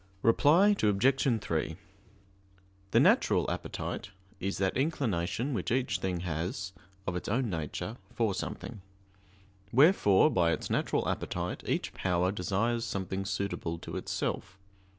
Reply Obj. 3: The "natural appetite" is that inclination which each thing has, of its own nature, for something; wherefore by its natural appetite each power desires something suitable to itself.